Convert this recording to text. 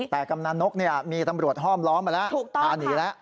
แต่กำนันนกมีตำรวจห้อมล้อมมาแล้วพาหนีแล้ว